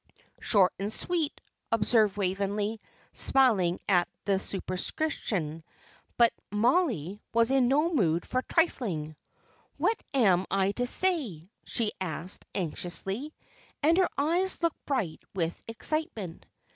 "Short and sweet," observed Waveney, smiling at the superscription; but Mollie was in no mood for trifling. "What am I to say?" she asked, anxiously, and her eyes looked bright with excitement.